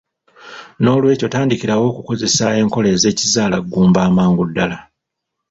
Noolwekyo tandikirawo okukozesa enkola z'ekizaalaggumba amangu ddala.